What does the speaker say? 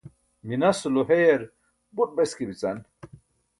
minas ulo heyar buṭ beske bican